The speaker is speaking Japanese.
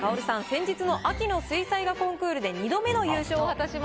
先日の秋の水彩画コンクールで２度目の優勝を果たしました。